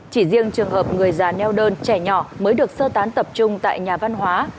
chỉ riêng trường hợp người già neo đơn trẻ nhỏ mới được sơ tán tập trung tại nhà văn hóa